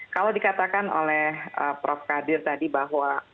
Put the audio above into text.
kalau dikatakan oleh prof kadir tadi bahwa